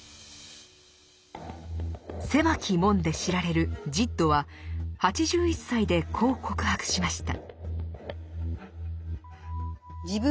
「狭き門」で知られるジッドは８１歳でこう告白しました。